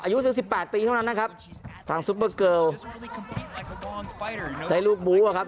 อายุถึงสิบแปดปีเท่านั้นนะครับทางซุปเปอร์เกิลได้ลูกบู้อะครับ